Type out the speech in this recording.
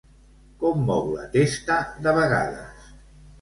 Com mou la testa de vegades?